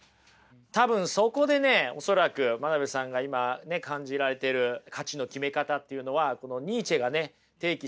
多分そこでね恐らく真鍋さんが今ね感じられてる価値の決め方っていうのはこのニーチェがね提起した